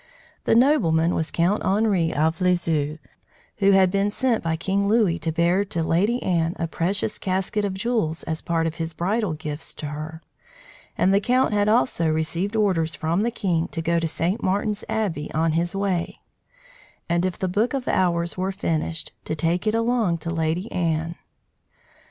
The nobleman was Count Henri of Lisieux, who had been sent by King Louis to bear to Lady Anne a precious casket of jewels as part of his bridal gifts to her; and the count had also received orders from the king to go to St. Martin's Abbey on his way, and if the book of hours were finished, to take it along to the Lady Anne.